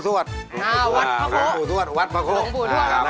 สวดวัดพระโน